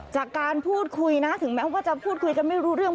จากการพูดคุยนะถึงแม้ว่าจะพูดคุยกันไม่รู้เรื่อง